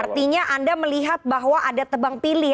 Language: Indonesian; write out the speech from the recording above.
artinya anda melihat bahwa ada tebang pilih